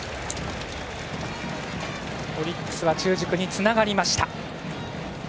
オリックスは中軸につながりました。